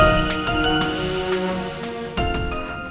bapak sudah siap